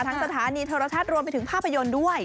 สถานีโทรทัศน์รวมไปถึงภาพยนตร์ด้วย